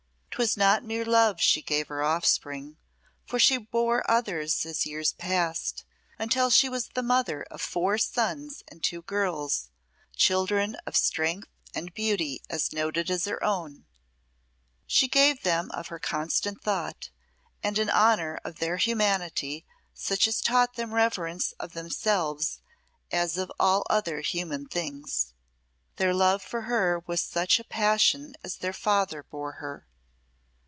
'Twas not mere love she gave her offspring for she bore others as years passed, until she was the mother of four sons and two girls, children of strength and beauty as noted as her own; she gave them of her constant thought, and an honour of their humanity such as taught them reverence of themselves as of all other human things. Their love for her was such a passion as their father bore her.